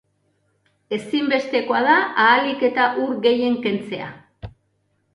Ezinbestekoa da ahalik eta ur gehien kentzea.